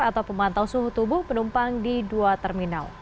atau pemantau suhu tubuh penumpang di dua terminal